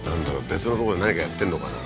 別のとこで何かやってんのかな？